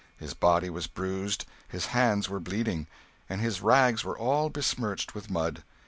His body was bruised, his hands were bleeding, and his rags were all besmirched with mud.